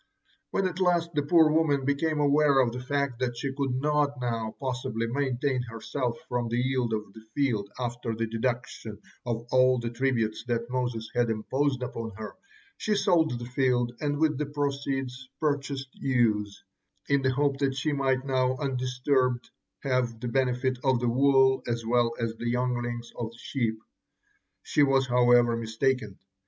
When at last the poor woman became aware of the fact that she could not now possibly maintain herself from the yield of the field after the deduction of all the tributes that Moses had imposed upon her, she sold the field and with the proceeds purchased ewes, in the hope that she might now undisturbed have the benefit of the wool as well as the younglings of the sheep. She was, however, mistaken.